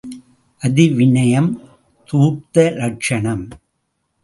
அதி விநயம் தூர்த்த லட்சணம்.